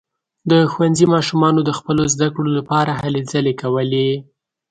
د ښوونځي ماشومانو د خپلو زده کړو لپاره هلې ځلې کولې.